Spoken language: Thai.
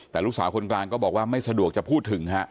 แต่ลูกสาวคนกลางก็บอกว่าไม่สะดวกจะพูดถึงฮะ